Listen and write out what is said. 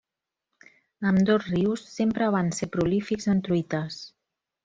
Ambdós rius sempre van ser prolífics en truites.